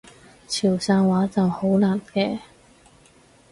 潮汕話就好難嘅